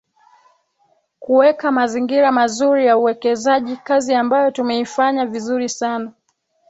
Kuweka mazingira mazuri ya uwekezaji kazi ambayo tumeifanya vizuri sana